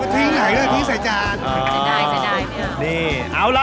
ทิ้งไหนด้วยทิ้งใส่จาน